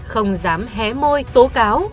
không dám hé môi tố cáo